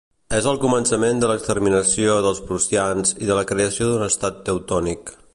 És el començament de l'exterminació dels prussians i de la creació d'un Estat teutònic.